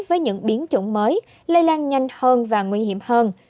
với những biến chủng mới lây lan nhanh hơn và nguy hiểm hơn